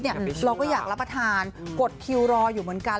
เราก็อยากรับประทานกดคิวรออยู่เหมือนกัน